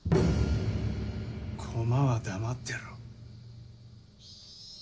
コマは黙ってろ。